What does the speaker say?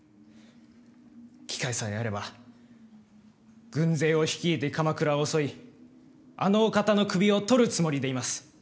機会さえあれば軍勢を率いて鎌倉を襲い、あのお方の首を取るつもりでいます。